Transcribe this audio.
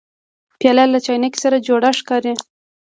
پیاله له چاینکي سره جوړه ښکاري.